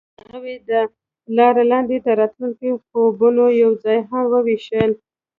هغوی د لاره لاندې د راتلونکي خوبونه یوځای هم وویشل.